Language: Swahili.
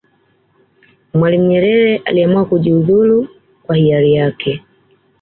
mwalimu nyerere aliamua kujihudhuru kwa hiari yake